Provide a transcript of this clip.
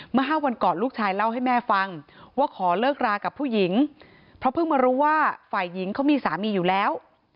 เมื่อ๕วันก่อนลูกชายเล่าให้แม่ฟังว่าขอเลิกรากับผู้หญิงเพราะเพิ่งมารู้ว่าฝ่ายหญิงเขามีสามีอยู่แล้ว